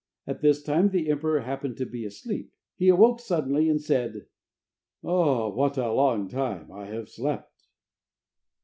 At this time the emperor happened to be asleep. He awoke suddenly, and said: "What a long time I have slept."